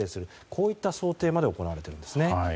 こういった想定まで行われています。